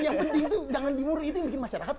yang penting tuh jangan dimuriti bikin masyarakat